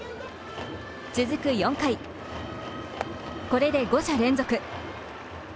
続く４回、これで５者連続。